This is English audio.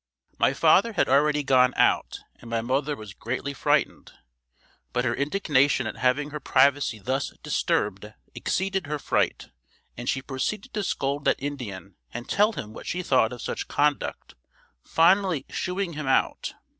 My father had already gone out and my mother was greatly frightened, but her indignation at having her privacy thus disturbed exceeded her fright and she proceeded to scold that Indian and tell him what she thought of such conduct, finally "shooing" him out.